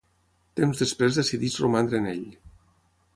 Temps després decideix romandre en ell.